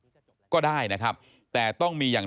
พบหน้าลูกแบบเป็นร่างไร้วิญญาณ